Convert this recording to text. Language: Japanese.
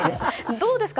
どうですか？